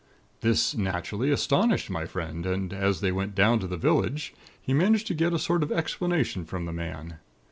"This, naturally, astonished my friend, and, as they went down to the village, he managed to get a sort of explanation from the man.